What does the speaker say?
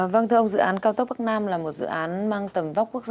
vâng thưa ông dự án cao tốc bắc nam là một dự án mang tầm vóc quốc gia